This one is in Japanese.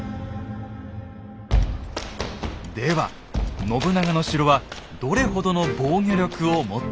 では信長の城はどれほどの防御力を持っていたのか。